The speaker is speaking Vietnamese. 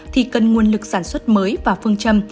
thì cần nguồn lực sản xuất mới và phương châm